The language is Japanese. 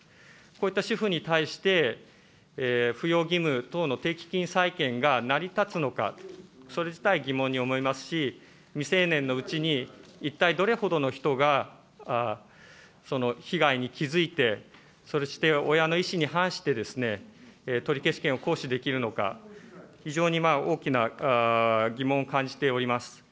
こういった主婦に対して、扶養義務等の定期金債権が成り立つのか、それ自体疑問に思いますし、未成年のうちに一体どれほどの人が被害に気付いて、そして親の意思に反して、取消権を行使できるのか、非常に大きな疑問を感じております。